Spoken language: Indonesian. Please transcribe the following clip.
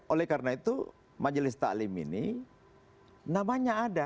oleh karena itu majelis taklim ini namanya ada